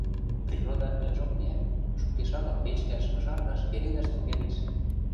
Природа ӹлӹжок миӓ, шукеш агыл печкӓш, ыжаргаш, пеледӓш тӹнгӓлеш.